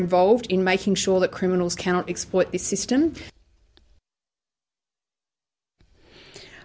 untuk memastikan bahwa penyakit tidak bisa menguasai sistem ini